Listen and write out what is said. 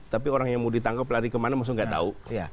tapi orang yang mau ditangkap lari kemana maksudnya nggak tahu